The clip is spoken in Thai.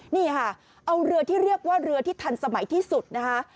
นี่ค่ะเอาเรือที่เรียกว่าเรือที่ทันสมัยที่สุดนะคะ